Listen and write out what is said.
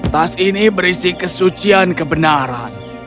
tas ini berisi kesucian kebenaran